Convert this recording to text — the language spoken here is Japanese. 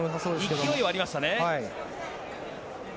勢いはありましたね。